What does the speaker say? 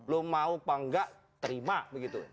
lo mau apa enggak terima begitu